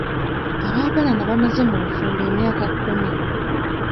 Abaagalana bamaze mu bufumbo emyaka kkumi.